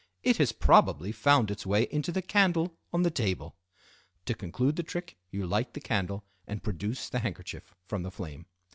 It has probably found its way into the candle on the table." To conclude the trick you light the candle and produce the handkerchief from the flame.